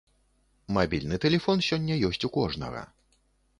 Мабільны тэлефон сёння ёсць у кожнага.